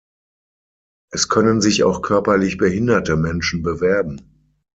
Es können sich auch körperlich behinderte Menschen bewerben.